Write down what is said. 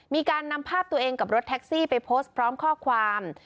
มีการนำภาพตัวเองกับรถแท็กซี่ไปโพสต์พร้อมข้อความ